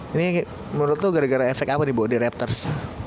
ini menurut lo gara gara efek apa nih di raptors